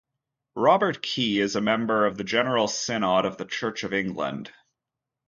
Robert Key is a member of the General Synod of the Church of England.